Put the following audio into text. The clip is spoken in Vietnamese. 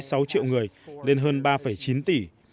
và một trăm bốn mươi sáu triệu người lên hơn ba chín tỷ